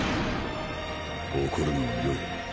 怒るのは良い。